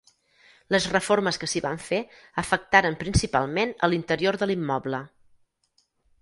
Les reformes que s'hi van fer afectaren principalment a l'interior de l'immoble.